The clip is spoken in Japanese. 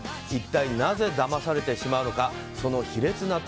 一体なぜだまされてしまうのか。